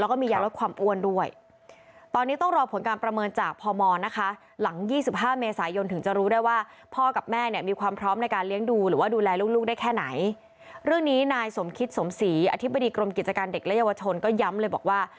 อธิบดีกรมกิจการเด็กและเยาวชนก็ย้ำเลยบอกว่า